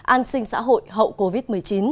an sinh xã hội hậu covid một mươi chín